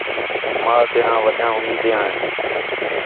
ماں تیاں وݙیاں اُمیدیاں ہین